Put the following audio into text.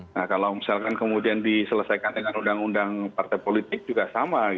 nah kalau misalkan kemudian diselesaikan dengan undang undang partai politik juga sama